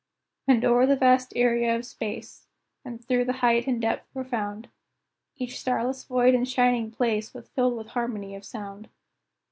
And o'er the vast area of space, And through the height and depth profound, Each starless void and shining place Was filled with harmony of sound.